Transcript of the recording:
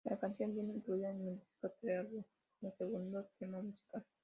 La canción viene incluida en el disco "The Album", como segundo tema musical.